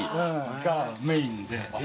がメインで。